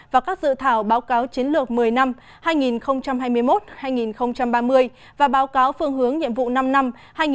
và các dự thảo báo cáo chiến lược một mươi năm hai nghìn hai mươi một hai nghìn ba mươi và báo cáo phương hướng nhiệm vụ năm năm hai nghìn hai mươi một hai nghìn ba mươi